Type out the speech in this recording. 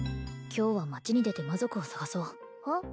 今日は町に出て魔族を探そううん？